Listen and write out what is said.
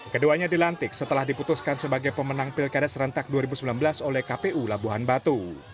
keduanya dilantik setelah diputuskan sebagai pemenang pilkada serentak dua ribu sembilan belas oleh kpu labuhan batu